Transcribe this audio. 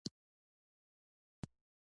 سلطان د نورو په وړاندې ډېر لږ ځواب ویونکي وو.